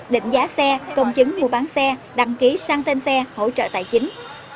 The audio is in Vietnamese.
định giá xe công chứng mua bán xe đăng ký sang tên xe hỗ trợ tài chính